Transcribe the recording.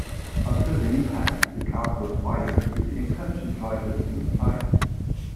After the impact, the car caught fire, with the unconscious driver still inside.